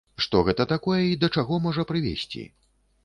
Што гэта такое і да чаго можа прывесці?